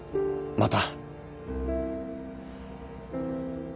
また！